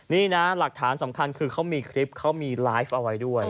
นี่นะหลักฐานสำคัญคือเขามีคลิปเขามีไลฟ์เอาไว้ด้วย